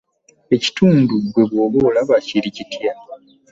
Ekitundu ggwe bw'oba olaba kiri kitya?